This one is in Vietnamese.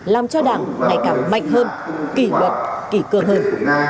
làm cho đảng ngày càng mạnh hơn kỷ luật kỷ cương hơn